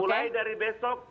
mulai dari besok